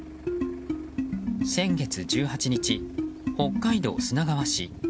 先月１８日、北海道砂川市。